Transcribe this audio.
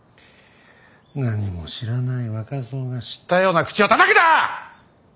何も知らない若造が知ったような口をたたくな！